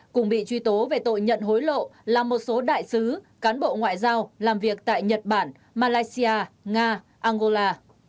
cùng bị truy tố về tội nhận hối lộ là một số đại sứ cán bộ ngoại giao làm việc tại nhật bản malaysia nga angola